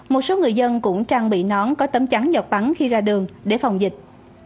một số người dân cũng trang bị nón có tấm chắn giọt bắn khi ra đường để phòng dịch